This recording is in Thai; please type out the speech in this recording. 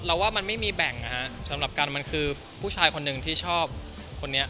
ว่ามันไม่มีแบ่งนะฮะสำหรับกันมันคือผู้ชายคนหนึ่งที่ชอบคนนี้